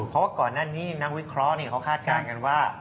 เพราะว่าก่อนหน้านี้นักวิเคราะห์เขาคาดการณ์กันว่า